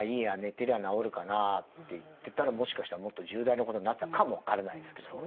てりゃ治るかなっていってたらもしかしたらもっと重大なことになってたかもわからないですけどもね。